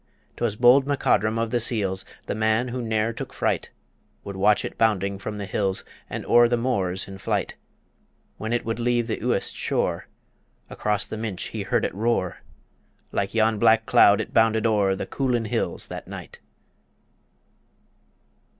'Twas bold MacCodrum of the Seals The man who ne'er took fright Would watch it bounding from the hills And o'er the moors in flight. When it would leave the Uist shore, Across the Minch he heard it roar Like yon black cloud it bounded o'er The Coolin Hills that night.